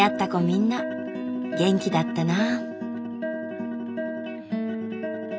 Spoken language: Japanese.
みんな元気だったな。